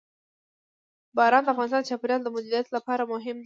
باران د افغانستان د چاپیریال د مدیریت لپاره مهم دي.